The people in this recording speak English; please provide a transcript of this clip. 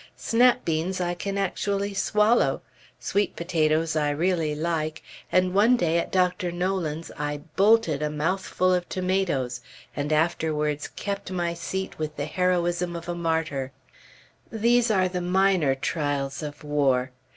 Snap beans I can actually swallow, sweet potatoes I really like, and one day at Dr. Nolan's I "bolted" a mouthful of tomatoes, and afterwards kept my seat with the heroism of a martyr. These are the minor trials of war.